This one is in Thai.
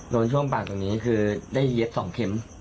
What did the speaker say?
ช่วงปากตรงนี้คือได้เย็บ๒เข็ม